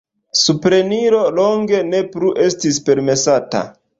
Supreniro longe ne plu estis permesata.